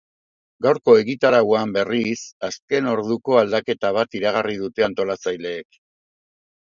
Gaurko egitarauan, berriz, azken orduko aldaketa bat iragarri dute antolatzaileek.